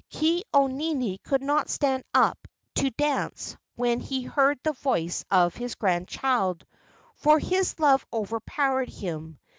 " Ke au nini could not stand up to dance when he heard the voice of his grandchild, for his love overpowered him.